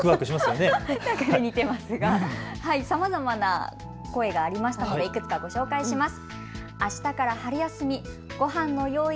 さまざまな声がありましたのでいくつかご紹介します。